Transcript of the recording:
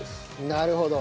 なるほど。